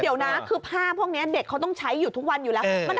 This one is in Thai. เดี๋ยวนะคือภาพพวกนี้เด็กเขาต้องใช้อยู่ทุกวันอยู่แล้ว